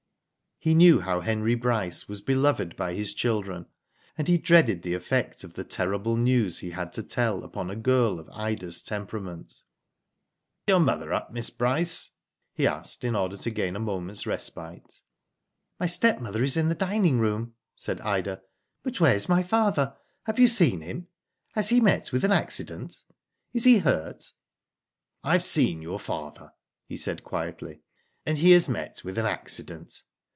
He knew how Henry Bryce was beloved by his children, and he dreaded the effect of the terrible news he had to tell upon a girl of Ida's temperament. Is your mother up. Miss Bryce?" he asked, in order to gain a moment's respite. *'My stepmother is in the dining room," said Ida. "But where is my father? Have you seen him? Has he met with an accident? Is he hurt?" "I have seen your father," he said, quietly, and he has met with an accident.